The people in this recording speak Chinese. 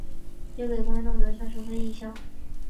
也给观众留下深刻影象。